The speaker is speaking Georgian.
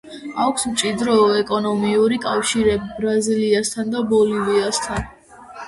აქვს მჭიდრო ეკონომიკური კავშირები ბრაზილიასთან და ბოლივიასთან.